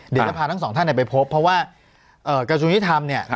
เดี๋ยวจะพาทั้งสองท่านไปพบเพราะว่ากระทรวงยุทธรรมเนี่ย